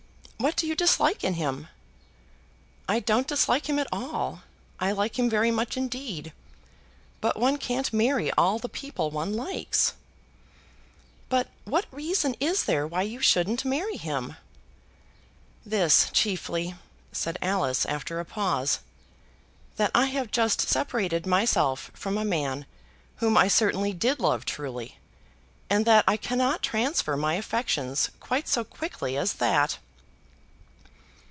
What do you dislike in him?" "I don't dislike him at all. I like him very much indeed. But one can't marry all the people one likes." "But what reason is there why you shouldn't marry him?" "This chiefly," said Alice, after a pause; "that I have just separated myself from a man whom I certainly did love truly, and that I cannot transfer my affections quite so quickly as that."